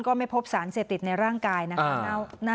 ก็ไม่พบสารเสพติดในร่างกายนะคะ